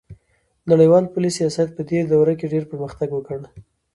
نړیوال پولي سیاست پدې دوره کې ډیر پرمختګ وکړ